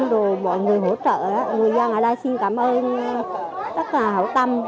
rồi mọi người hỗ trợ người dân ở đây xin cảm ơn tất cả hậu tâm